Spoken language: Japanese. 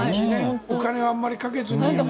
お金をあまりかけずに。